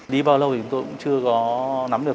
đi bao lâu thì chúng tôi cũng chưa có nắm được